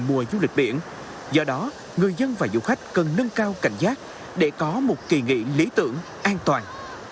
mùa du lịch biển do đó người dân và du khách cần nâng cao cảnh giác để có một kỳ nghị lý tưởng an toàn